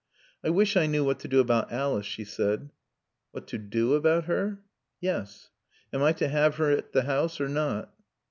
"I wish I knew what to do about Alice," she said. "What to do about her?" "Yes. Am I to have her at the house or not?"